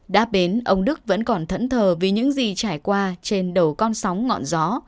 đã đến ông đức vẫn còn thẫn thờ vì những gì trải qua trên đầu con sóng ngọn gió